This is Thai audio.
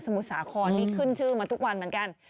มุสาครนี่ขึ้นชื่อมาทุกวันเหมือนกัน